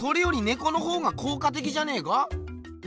このほうが効果的じゃねえか？